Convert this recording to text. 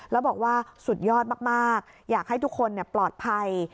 แล้วบอกว่าสุดยอดมากอยากให้ทุกคนปลอดภัย